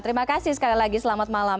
terima kasih sekali lagi selamat malam